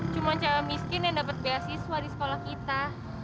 cuma cewek miskin yang dapet beasiswa di sekolah kita